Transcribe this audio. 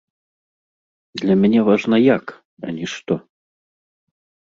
Для мяне важна як, а не што.